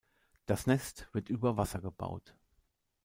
Das Nest wird über Wasser gebaut.